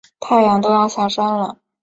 太阳都要下山了